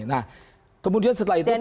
nah kemudian setelah itu p dua puluh satu